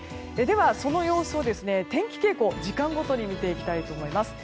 その様子を天気傾向時間ごとに見ていきたいと思います。